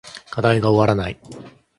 課題が終わらない